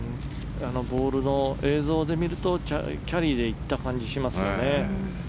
ボールの映像で見るとキャリーで行った感じがしますよね。